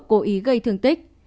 cố ý gây thương tích